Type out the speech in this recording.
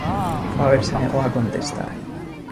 Faber se negó a contestar.